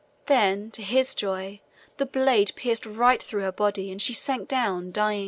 Then, to his joy, the blade pierced right through her body and she sank down dying.